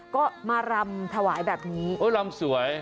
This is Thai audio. ก็มารำถวายแบบนี้โอ้รำสวย